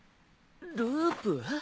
ループ？